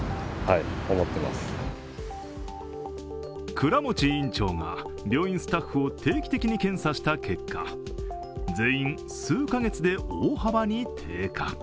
倉持院長が病院スタッフを定期的に検査した結果全員数カ月で大幅に低下。